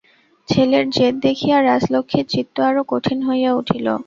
ছেলের জেদ দেখিয়া রাজলক্ষ্মীর চিত্ত আরো কঠিন হইয়া উঠিল।